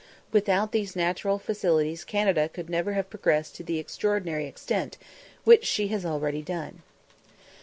Without these natural facilities Canada could never have progressed to the extraordinary extent which she has already done.